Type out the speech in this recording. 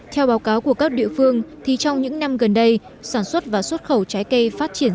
theo báo cáo của các địa phương thì trong những năm gần đây sản xuất và xuất khẩu trái cây phát triển